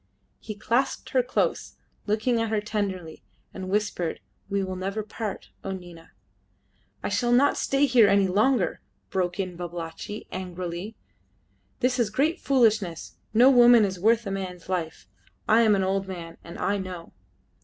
He clasped her close, looking at her tenderly, and whispered, "We will never part, O Nina!" "I shall not stay here any longer," broke in Babalatchi, angrily. "This is great foolishness. No woman is worth a man's life. I am an old man, and I know."